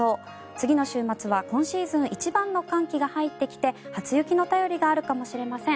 次の週末は今シーズン一番の寒気が入ってきて初雪の便りがあるかもしれません。